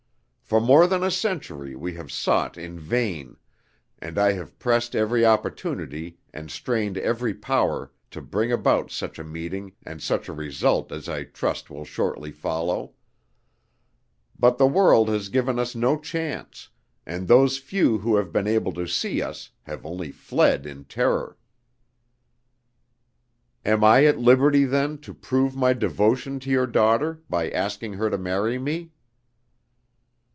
For more than a century we have sought in vain, and I have pressed every opportunity and strained every power to bring about such a meeting and such a result as I trust will shortly follow; but the world has given us no chance, and those few who have been able to see us have only fled in terror!" "Am I at liberty, then, to prove my devotion to your daughter by asking her to marry me?"